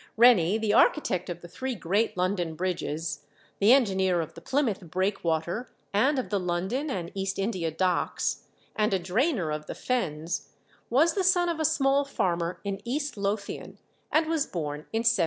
Rennie, the architect of the three great London bridges, the engineer of the Plymouth Breakwater and of the London and East India Docks, and a drainer of the Fens, was the son of a small farmer in East Lothian, and was born in 1761.